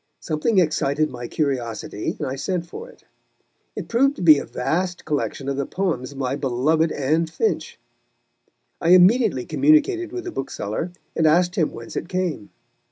Something excited my curiosity, and I sent for it. It proved to be a vast collection of the poems of my beloved Anne Finch. I immediately communicated with the bookseller, and asked him whence it came.